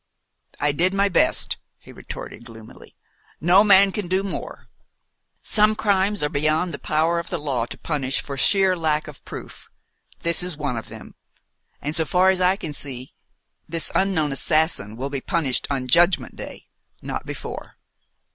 "I did my best," he retorted gloomily. "No man can do more. Some crimes are beyond the power of the law to punish for sheer lack of proof. This is one of them; and, so far as I can see, this unknown assassin will be punished on Judgment Day not before."